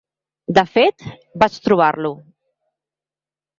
De fet, vaig trobar-lo.